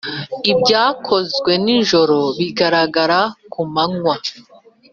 ibyakozwe nijoro bigaragara kumanywa.